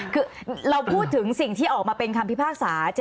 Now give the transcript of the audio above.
คือเราพูดถึงสิ่งที่ออกมาเป็นคำพิพากษา